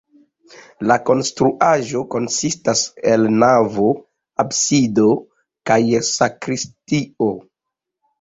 La konstruaĵo konsistas el navo, absido kaj sakristio.